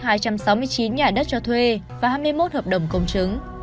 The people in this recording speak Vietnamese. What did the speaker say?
danh sách hai trăm sáu mươi chín nhà đất cho thuê và hai mươi một hợp đồng công chứng